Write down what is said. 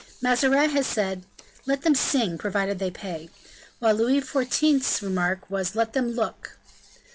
Mazarin had said: "Let them sing, provided they pay;" while Louis XIV.'s remark was, "Let them look."